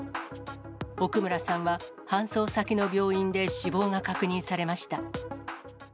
奥村さんは搬送先の病院で死亡が確認されました。